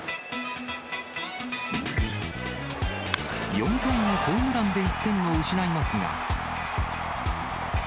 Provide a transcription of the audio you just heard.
４回にホームランで１点を失いますが。